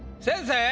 先生。